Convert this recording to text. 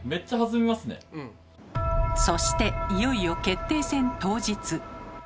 そしていよいよ決定戦当日。